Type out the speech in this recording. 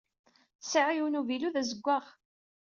Sɛiɣ yiwen n uvilu d azewwaɣ.